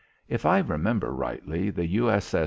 If I remember rightly the U.S.S.